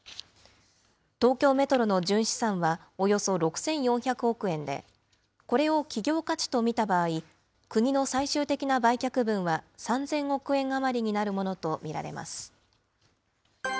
東京メトロの純資産はおよそ６４００億円で、これを企業価値と見た場合、国の最終的な売却分は３０００億円余りになるものと見られます。